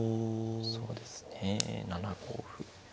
そうですね７五歩。